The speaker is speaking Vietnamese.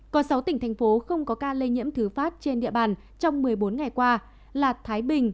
có sáu tỉnh thành phố không có ca lây nhiễm thứ phát trên địa bàn trong một mươi bốn ngày qua là thái bình